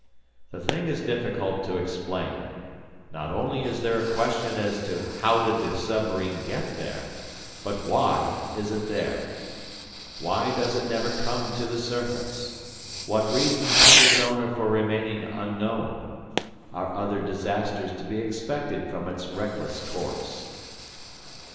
"The thing is difficult to explain. Not only is there a question as to how did the submarine get there? But why is it there? Why does it never come to the surface? What reason has its owner for remaining unknown? Are other disasters to be expected from its reckless course?"